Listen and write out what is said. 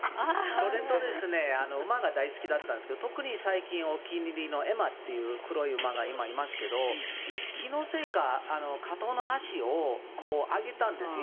それと馬が大好きだったんですけど特に最近、お気に入りのエマという黒い馬が今、いますけど気のせいか片方の足を上げたんですよ。